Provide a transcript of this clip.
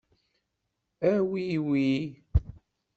Awi wi.